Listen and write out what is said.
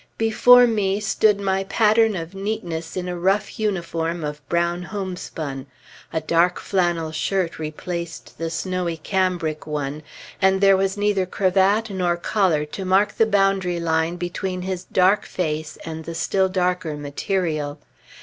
Before me stood my pattern of neatness in a rough uniform of brown homespun. A dark flannel shirt replaced the snowy cambric one, and there was neither cravat nor collar to mark the boundary line between his dark face and the still darker material.